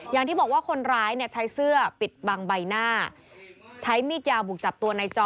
อย่างที่บอกว่าคนร้ายเนี่ยใช้เสื้อปิดบังใบหน้าใช้มีดยาวบุกจับตัวในจอ